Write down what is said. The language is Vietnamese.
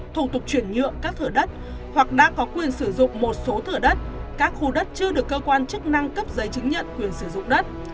thủ tục chuyển nhượng các thửa đất hoặc đã có quyền sử dụng một số thửa đất các khu đất chưa được cơ quan chức năng cấp giấy chứng nhận quyền sử dụng đất